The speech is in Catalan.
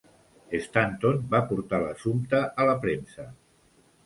Stanton va portar l'assumpte a la premsa.